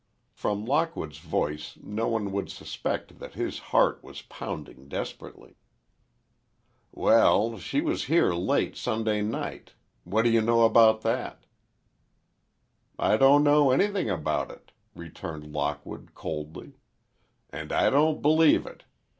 From Lockwood's voice no one would suspect that his heart was pounding desperately. "Well, she was here late Sunday night! What do you know about that?" "I don't know anything about it," returned Lockwood, coldly, "and I don't believe it.